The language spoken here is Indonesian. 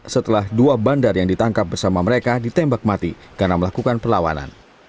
setelah dua bandar yang ditangkap bersama mereka ditembak mati karena melakukan perlawanan